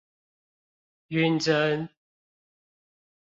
暈針